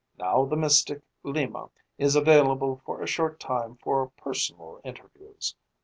Now the mystic, Lima, is available for a short time for personal interviews.